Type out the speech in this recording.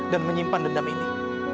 dan menyimpan dendam ini